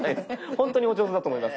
ほんとにお上手だと思います。